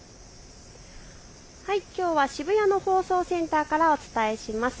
きょうは渋谷の放送センターからお伝えします。